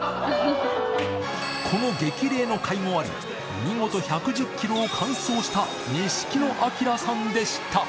この激励のかいもあり、見事、１１０キロを完走した錦野旦さんでした。